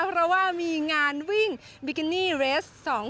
เพราะว่ามีงานวิ่งบิกินี่เรส๒๐